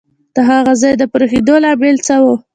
د هغه ځای د پرېښودو لامل څه وو؟